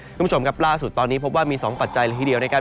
คุณผู้ชมครับล่าสุดตอนนี้พบว่ามี๒ปัจจัยละทีเดียวนะครับ